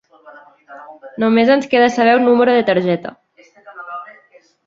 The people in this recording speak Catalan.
Només ens queda saber un número de targeta.